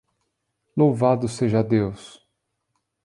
Louvado seja Deus!